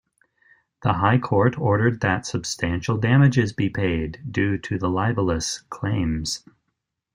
The High Court ordered that substantial damages be paid due to the libellous claims.